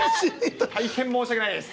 大変申し訳ないです。